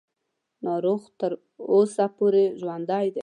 ناروغ خو تر اوسه پورې ژوندی دی.